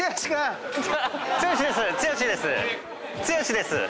剛です。